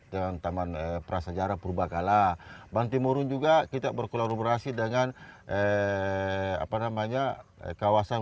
pertama prasejarah purwakala bantimurun juga kita berkolaborasi dengan eh apa namanya kawasan